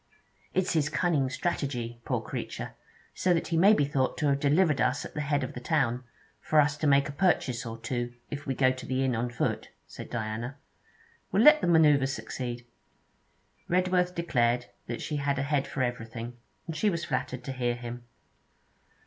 'It's his cunning strategy, poor creature, so that he may be thought to have delivered us at the head of the town, for us to make a purchase or two, if we go to the inn on foot,' said Diana. 'We 'll let the manoeuvre succeed.' Redworth declared that she had a head for everything, and she was flattered to hear him.